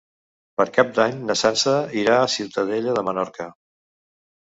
Per Cap d'Any na Sança irà a Ciutadella de Menorca.